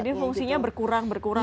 jadi fungsinya berkurang berkurang